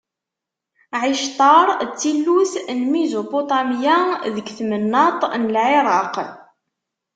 Ɛictar d tillut n Mizupuṭamya, deg tmennaṭ n Lɛiraq.